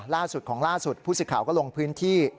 ล่าสุดของล่าสุดผู้สิทธิ์ข่าวก็ลงพื้นที่